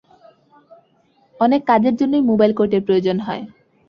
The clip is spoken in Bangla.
অনেক কাজের জন্যই মোবাইল কোর্টের প্রয়োজন হয়।